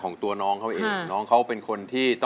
กระแซะเข้ามาสิ